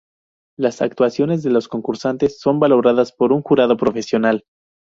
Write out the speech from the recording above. Las actuaciones de los concursantes son valoradas por un jurado profesional.